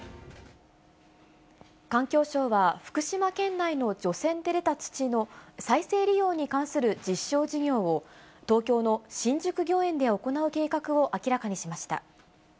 環境省は、福島県内の除染で出た土の再生利用に関する実証事業を、東京の新宿御苑で行う計画を明らかにしました。